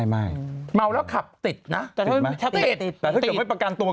ไม่ไม่